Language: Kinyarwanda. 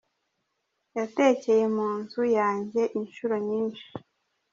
Yatekeye mu nzu yanjye inshuro nyinshi.